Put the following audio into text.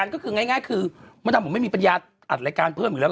ก็มันทำผมไม่มีปัญญาอัดรายการเพิ่มอีกแล้ว